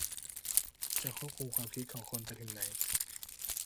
จะควบคุมความคิดของคนไปถึงไหน ?